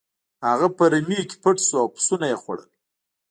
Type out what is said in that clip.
هغه په رمې کې پټ شو او پسونه یې خوړل.